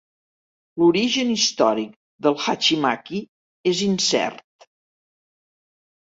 L'origen històric de l'hachimaki és incert.